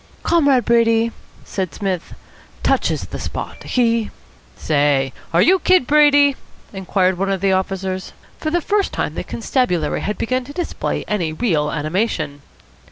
"Comrade Brady," said Psmith, "touches the spot. He " "Say, are you Kid Brady?" inquired one of the officers. For the first time the constabulary had begun to display any real animation.